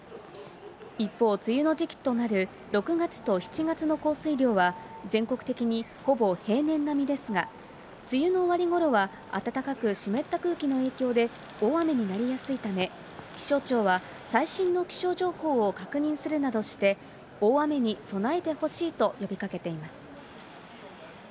一方、梅雨の時期となる６月と７月の降水量は、全国的にほぼ平年並みですが、梅雨の終わりごろは、暖かく湿った空気の影響で大雨になりやすいため、気象庁は最新の気象情報を確認するなどして、大雨に備えてほしいと呼びかけています。